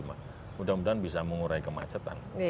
mudah mudahan bisa mengurai kemacetan